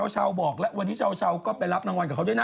เช้าบอกแล้ววันนี้ชาวก็ไปรับรางวัลกับเขาด้วยนะ